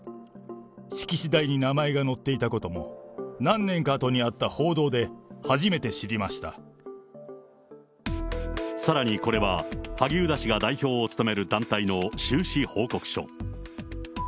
式次第に名前が載っていたことも、何年かあとにあった報道で初めてさらにこれは、萩生田氏が代表を務める団体の収支報告書。